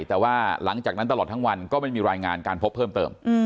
แต่ว่าหลังจากนั้นตลอดทั้งวันก็ไม่มีรายงานการพบเพิ่มเติม